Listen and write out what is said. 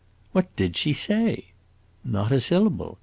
"What did she say?" "Not a syllable.